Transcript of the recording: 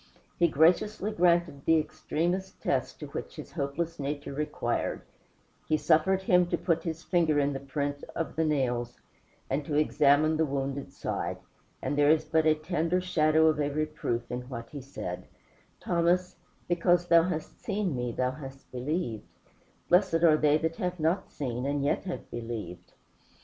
He graciously granted the extremest test which his hopeless nature required he suffered him to put his finger in the print of the nails and to examine the wounded side; and there is but a tender shadow of a reproof in what he said "Thomas, because thou hast seen me, thou hast believed; blessed are they that have not seen and yet have believed."